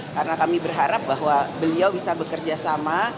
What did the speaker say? karena kami berharap bahwa beliau bisa bekerjasama